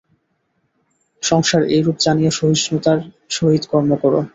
সংসার এইরূপ জানিয়া সহিষ্ণুতার সহিত কর্ম কর।